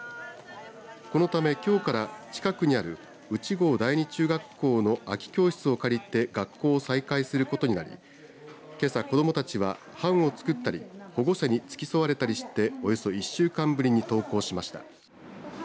このため、きょうから近くにある内郷第二中学校の空き教室を借りて学校を再開することになりけさ、子どもたちは班を作ったり保護者につき添われたりしておよそ１週間ぶりに登校しました。